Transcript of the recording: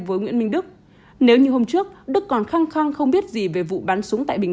với nguyễn minh đức nếu như hôm trước đức còn khăng khăng không biết gì về vụ bắn súng tại bình